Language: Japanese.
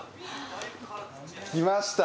きました？